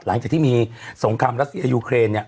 หลังจากที่มีสงครามรัสเซียยูเครนเนี่ย